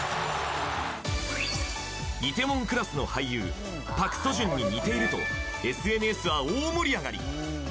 「梨泰院クラス」の俳優パク・ソジュンに似ているとＳＮＳは大盛り上がり。